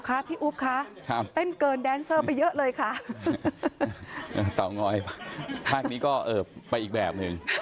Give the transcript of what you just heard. ก่อนตอนนี้ครับ